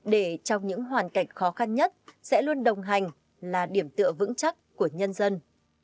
để trong những hoàn cảnh khó khăn nhất sẽ luôn đồng hành là điểm tựa vững chắc của nhân dân